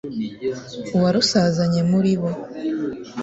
Uwarusazanye muri bo